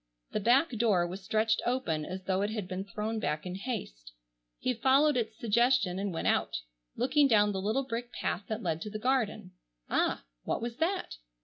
The back door was stretched open as though it had been thrown back in haste. He followed its suggestion and went out, looking down the little brick path that led to the garden. Ah! what was that?